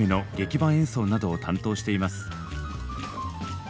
伴演奏などを担当しています。